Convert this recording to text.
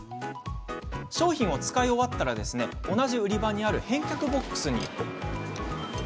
商品を使い終わったら同じ売り場にある返却ボックスへ。